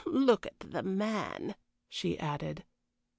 Look at the man!" she added.